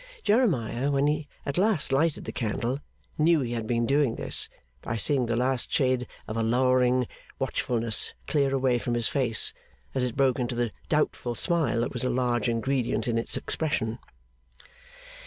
Jeremiah, when he at last lighted the candle, knew he had been doing this, by seeing the last shade of a lowering watchfulness clear away from his face, as it broke into the doubtful smile that was a large ingredient in its expression.